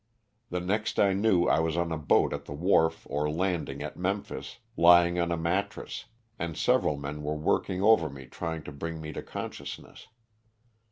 The next I knew I was on a boat at the wharf or landing at Memphis, lying on a mat tress, and several men were working over me trying to bring me to consciousness.